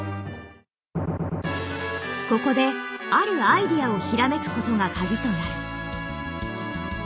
ここであるアイデアを閃くことがカギとなる。